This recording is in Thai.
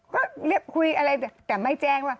ก็เรียกคุยอะไรแต่ไม่แจ้งว่า